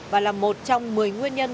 và là một trong một mươi nguyên nhân